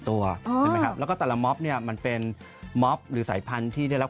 มาแล้วค่ะตัวนี้ค่อนข้างใหญ่นะอวบอ้วน